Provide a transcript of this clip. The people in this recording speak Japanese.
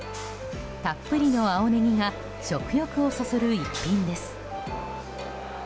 たっぷりの青ネギが食欲をそそる一品です。